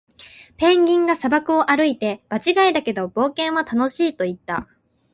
ペンギンが砂漠を歩いて、「場違いだけど、冒険は楽しい！」と言った。